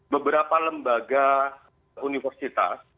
beberapa lembaga universitas